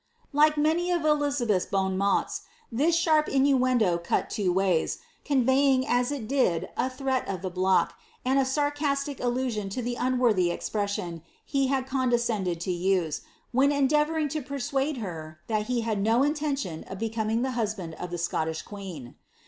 "* Like many of Clizabeth''8 bon mots^ this sharp inuendo cut two ways, ronveying as it did a threat of the block, and a sarcastic allui^ion to the unw:>rthy expression he had condescended to use, when endeavouring to persuade her that he had no intention of becoming the husband of the Scottish queen.